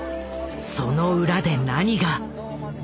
その裏で何が？